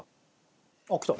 あっきた！